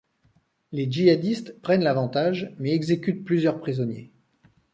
Les djihadistes prennent l'avantage mais exécutent plusieurs prisonniers.